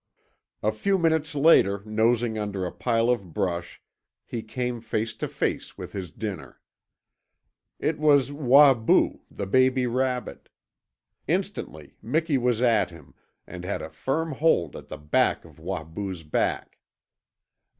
A few minutes later, nosing under a pile of brush, he came face to face with his dinner. It was Wahboo, the baby rabbit. Instantly Miki was at him, and had a firm hold at the back of Wahboo's back.